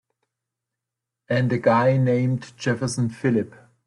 And a guy named Jefferson Phillip.